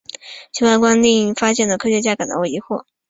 其外观令发现的科学家感到疑惑。